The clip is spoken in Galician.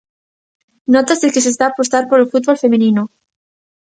Nótase que se está a apostar polo fútbol feminino.